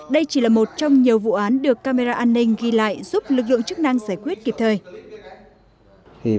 đây chỉ là một trong nhiều vụ án được camera an ninh ghi lại giúp lực lượng chức năng giải quyết kịp thời